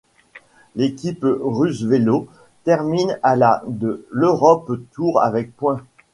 L'équipe RusVelo termine à la de l'Europe Tour avec points.